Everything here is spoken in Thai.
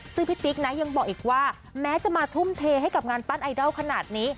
ซึ่งพี่ติ๊กนะยังบอกอีกว่าแม้จะมาทุ่มเทให้กับงานปั้นไอดอลขนาดนี้